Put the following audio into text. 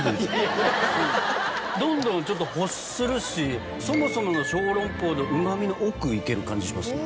どんどん欲するしそもそもの小籠包のうま味の奥いける感じしますね。